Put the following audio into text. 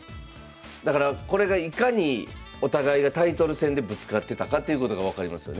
だからこれがいかにお互いがタイトル戦でぶつかってたかということが分かりますよね。